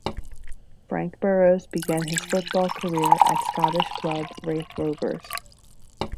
Frank Burrows began his football career at Scottish club Raith Rovers.